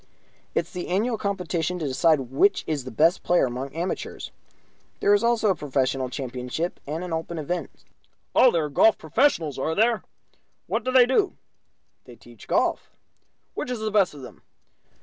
"It is the annual competition to decide which is the best player among the amateurs. There is also a Professional Championship, and an Open event." "Oh, there are golf professionals, are there? What do they do?" "They teach golf." "Which is the best of them?"